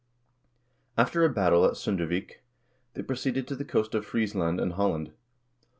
After a battle at S0ndervik, they proceeded to the coast of Friesland and Holland.